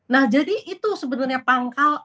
nah jadi itu sebetulnya pangkal